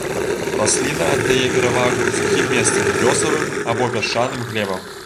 Расліна аддае перавагу сухім месцам, лёсавым або пясчаным глебам.